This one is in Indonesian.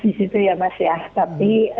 di situ ya mas ya tapi